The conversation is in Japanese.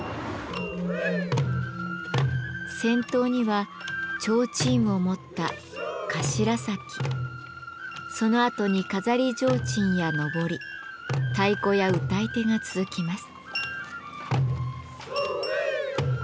先頭には提灯を持ったそのあとに飾り提灯や幟太鼓や歌い手が続きます。